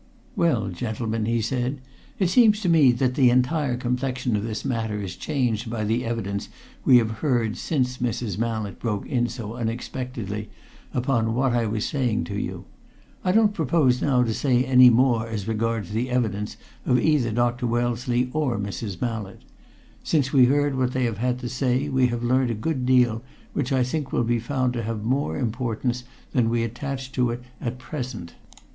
"Well, gentlemen," he said, "it seems to me that the entire complexion of this matter is changed by the evidence we have heard since Mrs. Mallett broke in so unexpectedly upon what I was saying to you. I don't propose now to say any more as regards the evidence of either Dr. Wellesley or Mrs. Mallett: since we heard what they had to say we have learnt a good deal which I think will be found to have more importance than we attach to it at present.